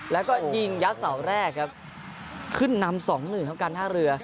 แล้วก็ยิงยาสาวแรกครับขึ้นนำ๒๑ข้างหน้าเรือ